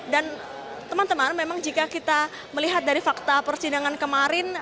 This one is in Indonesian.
dan teman teman memang jika kita melihat dari fakta persidangan kemarin